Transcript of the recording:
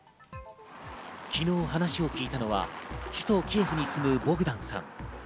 昨日、お話を聞いたのは首都キエフに住むボグダンさん。